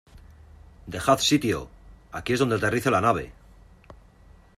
¡ Dejad sitio! Aquí es donde aterriza la nave.